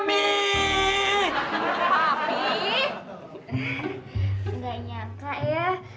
mas tony perhatian banget eh